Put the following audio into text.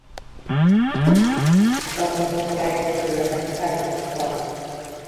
Az amazon-papagájok közül az egyik legnagyobb faj.